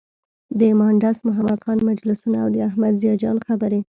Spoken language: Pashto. د مانډس محمد خان مجلسونه او د احمد ضیا جان خبرې.